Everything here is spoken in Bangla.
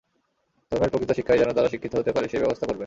ধর্মের প্রকৃত শিক্ষায় যেন তারা শিক্ষিত হতে পারে, সেই ব্যবস্থা করবেন।